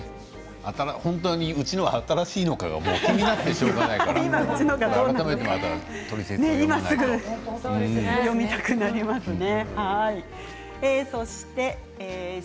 うちのが新しいのかどうか気になってしょうがないから今すぐ読みたくなりますね。